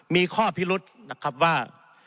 มีข้อพิรุษนะครับว่า